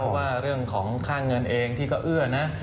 เพราะว่าเรื่องของค่าเงินเองที่ก็เอื้อนะ